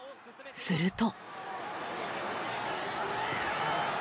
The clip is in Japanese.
すると。